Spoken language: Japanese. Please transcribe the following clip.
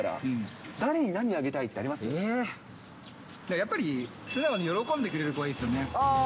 やっぱり素直に喜んでくれる子がいいですよね。